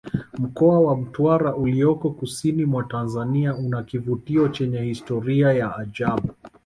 mkoa wa mtwara ulioko kusini mwa tanzania una kivutio chenye historia ya ajabu